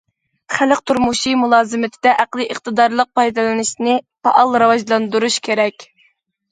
خەلق تۇرمۇشى مۇلازىمىتىدە ئەقلىي ئىقتىدارلىق پايدىلىنىشنى پائال راۋاجلاندۇرۇش كېرەك.